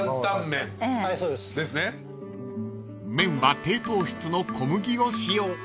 ［麺は低糖質の小麦を使用］